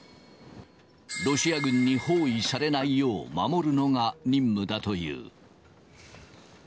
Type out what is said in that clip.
ロシア軍に包囲されないよう守るのが任務だという。